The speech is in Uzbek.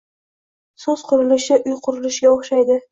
So‘z qurilishi uy qurilishiga o‘xshaydi.